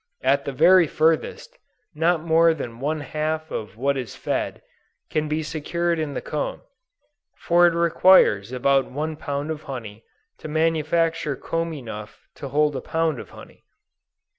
At the very furthest, not more than one half of what is fed, can be secured in the comb, for it requires about one pound of honey, to manufacture comb enough to hold a pound of honey.